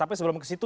tapi sebelum kesitu